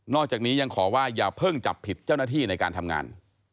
จากนี้ยังขอว่าอย่าเพิ่งจับผิดเจ้าหน้าที่ในการทำงาน